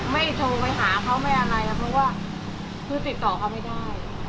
โทรไปหาเขาไม่อะไรเพราะว่าคือติดต่อเขาไม่ได้